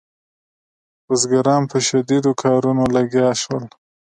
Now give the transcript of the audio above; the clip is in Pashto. بزګران په شدیدو کارونو لګیا شول.